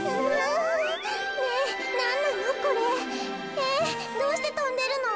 えっどうしてとんでるの？